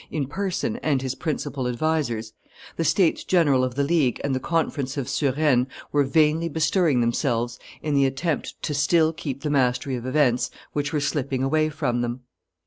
in person and his principal advisers, the states general of the League and the conference of Suresnes were vainly bestirring themselves in the attempt to still keep the mastery of events which were slipping away from them.